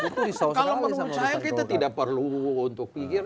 kalau menurut saya kita tidak perlu untuk pikir